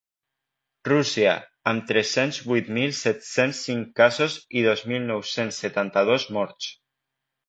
Rússia, amb tres-cents vuit mil set-cents cinc casos i dos mil nou-cents setanta-dos morts.